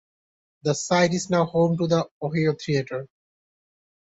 The site is now home to the Ohio Theatre.